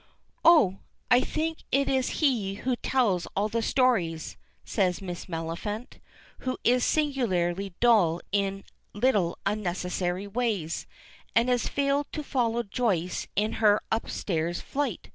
"Oh! I think it is he who tells all the stories," said Miss Maliphant, who is singularly dull in little unnecessary ways, and has failed to follow Joyce in her upstairs flight.